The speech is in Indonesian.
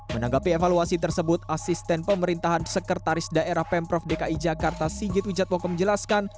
menanggapi evaluasi tersebut asisten pemerintahan sekretaris daerah pemprov dki jakarta sigit wijatwoko menjelaskan